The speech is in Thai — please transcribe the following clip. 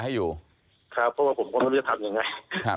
ใช่ครับเพราะว่าผมก็ไม่รู้จะทำยังไง